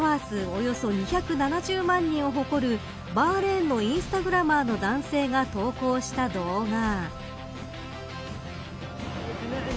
およそ２７０万人を誇るバーレーンのインスタグラマーの男性が投稿した動画。